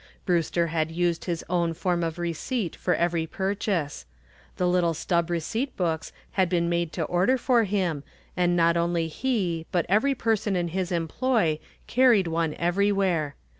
Brewster had used his own form of receipt for every purchase. The little stub receipt books had been made to order for him and not only he but every person in his employ carried one everywhere.